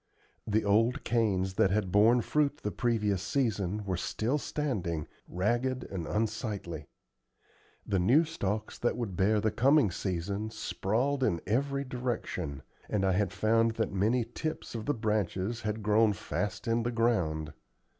The old canes that had borne fruit the previous season were still standing, ragged and unsightly; the new stalks that would bear the coming season sprawled in every direction; and I had found that many tips of the branches had grown fast in the ground.